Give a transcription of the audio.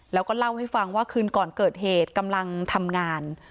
แล้วก็เล่าให้ฟังว่าคืนก่อนเกิดเหตุกำลังทำงาน